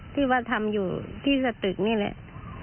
ที่ว่าทำอยู่ที่สตึกนี่แหละ